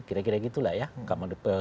kira kira gitu lah ya